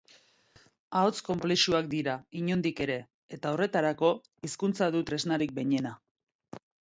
Ahots konplexuak dira, inondik ere, eta, horretarako, hizkuntza du tresnarik behinena